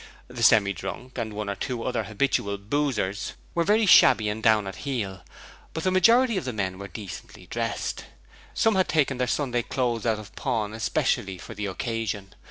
The Semi drunk and one or two other habitual boozers were very shabby and down at heel, but the majority of the men were decently dressed. Some had taken their Sunday clothes out of pawn especially for the occasion.